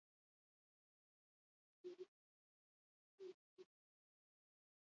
Milaka asko dira aspaldiko gerrak utzitako zama astuna ezin eraman bizi diren beteranoak.